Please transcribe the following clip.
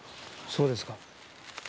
そうですか。